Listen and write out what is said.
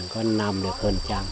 con năm được hơn trăm